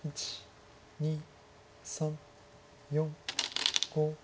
２３４５。